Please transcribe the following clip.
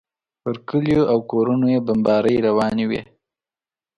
پر کلیو او کورونو یې بمبارۍ روانې وې.